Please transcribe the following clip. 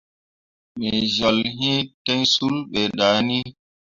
Me jel hi ten sul be dah ni.